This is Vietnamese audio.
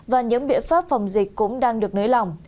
và những biện pháp phòng dịch cũng đang được nới lỏng